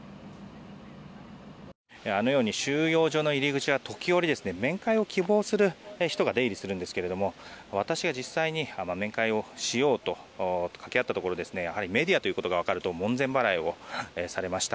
あのように収容所の入り口は時折、面会を希望する人が出入りするんですが私が実際に面会をしようと掛け合ったところやはりメディアということがわかると門前払いをされました。